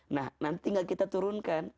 nah nanti gak kita turunkan